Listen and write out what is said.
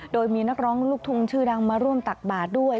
โดยมีนักร้องลูกทุ่งชื่อดังมาร่วมตักบาทด้วย